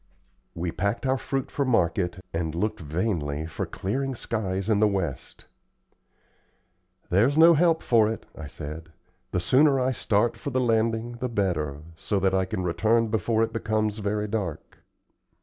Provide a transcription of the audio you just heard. We packed our fruit for market, and looked vainly for clearing skies in the west. "There's no help for it," I said. "The sooner I start for the landing the better, so that I can return before it becomes very dark."